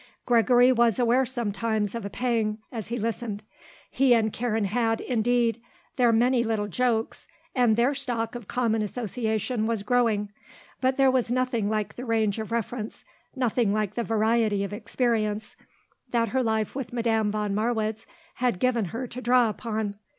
Gregory was aware sometimes of a pang as he listened. He and Karen had, indeed, their many little jokes, and their stock of common association was growing; but there was nothing like the range of reference, nothing like the variety of experience, that her life with Madame von Marwitz had given her to draw upon.